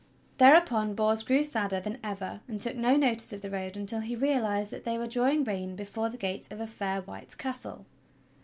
Thereupon Bors grew sadder than ever, and took no notice of the road until he realized that they were drawing rein before the gate of a fair white castle.